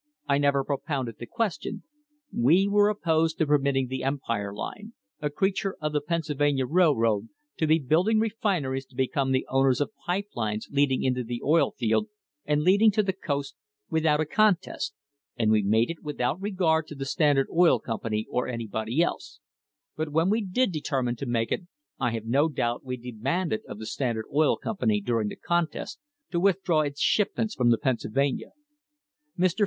I never propounded the question. We were opposed to permitting the Empire Line, a creature of the Pennsylvania Railroad, to be building refineries, to become the owners of pipe lines leading into the oil field and leading to the coast, without a contest, and we made it without regard to the Standard Oil Company or anybody else; but when we did determine to make it, I have no doubt we demanded of the Standard Oil Company during the contest to withdraw its shipments from the Pennsylvania." Mr.